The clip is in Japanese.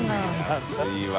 安いわ。